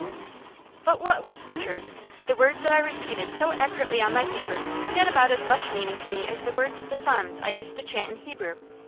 But what was the truth? The words that I repeated so accurately on my paper had about as much meaning to me as the words of the Psalms I used to chant in Hebrew.